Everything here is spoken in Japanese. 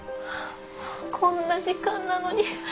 こんな時間なのに